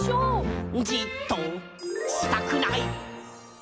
「じっとしたくない！」